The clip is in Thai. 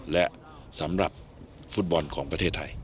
และสำหรับฟุตบอลของประเทศไทย